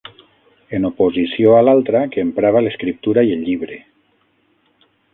En oposició a l’altra que emprava l’escriptura i el llibre.